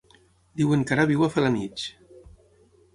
Diuen que ara viu a Felanitx.